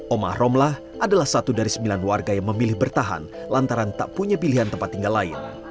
omah romlah adalah satu dari sembilan warga yang memilih bertahan lantaran tak punya pilihan tempat tinggal lain